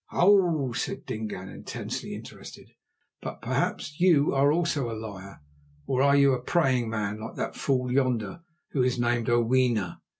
"Ow!" said Dingaan, intensely interested. "But perhaps you are also a liar. Or are you a praying man, like that fool yonder, who is named Oweena?"